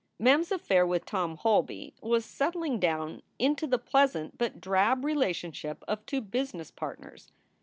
Mem s affair with Tom Holby was settling down into the pleasant but drab relationship of two business partners.